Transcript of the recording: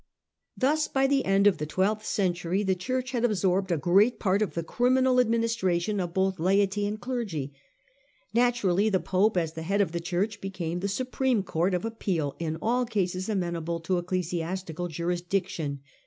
Thus by the end of the twelfth century the Church had absorbed a great part of the criminal administration of both laity and clergy. Naturally the Pope, as the head of the Church, became the supreme court of appeal in all cases amenable to ecclesiastical jurisdiction.